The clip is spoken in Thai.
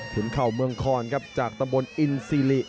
เข่าเมืองคอนครับจากตำบลอินซีริ